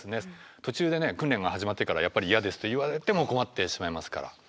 途中で訓練が始まってからやっぱり嫌ですと言われても困ってしまいますから。